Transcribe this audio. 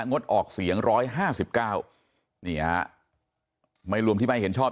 งดออกเสียง๑๕๙นี่ฮะไม่รวมที่ไม่เห็นชอบ